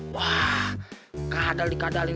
wah kadal dikadalin